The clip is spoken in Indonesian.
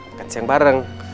makan siang bareng